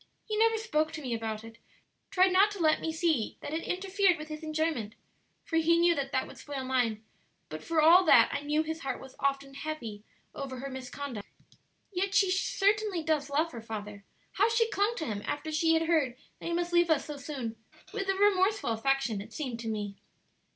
He never spoke to me about it, tried not to let me see that it interfered with his enjoyment (for he knew that that would spoil mine), but for all that I knew his heart was often heavy over her misconduct. "Yet she certainly does love her father. How she clung to him after she had heard that he must leave us so soon, with a remorseful affection, it seemed to me."